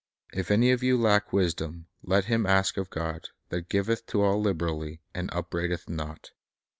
" If any of you lack wis dom, let him ask of God, that giveth to all liberally, and upbraideth not."'